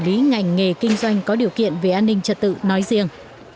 lý ngành nghề kinh doanh có điều kiện về an ninh trật tự nói riêng